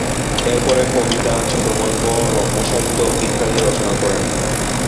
এরপরে কবিতা, ছোটগল্প, রম্য সাহিত্য ইত্যাদি রচনা করেন।